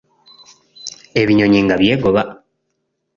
Ebinyonyi nga byegoba.